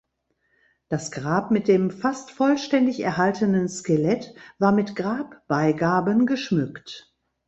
Das Grab mit dem fast vollständig erhaltenen Skelett war mit Grabbeigaben geschmückt.